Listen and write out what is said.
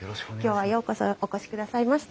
今日はようこそお越しくださいました。